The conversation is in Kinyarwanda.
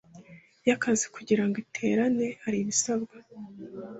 y akazi kugira ngo iterane haribisabwa